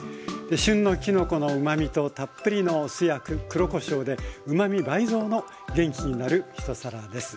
旬のきのこのうまみとたっぷりのお酢や黒こしょうでうまみ倍増の元気になる一皿です。